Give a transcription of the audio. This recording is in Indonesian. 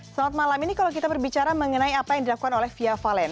selamat malam ini kalau kita berbicara mengenai apa yang dilakukan oleh fia valen